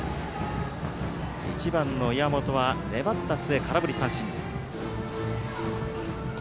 １番の岩本は粘った末、空振り三振。